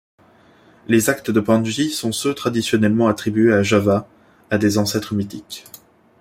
Les actes de Panji sont ceux traditionnellement attribués à Java à des ancêtres mythiques.